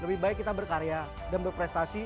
lebih baik kita berkarya dan berprestasi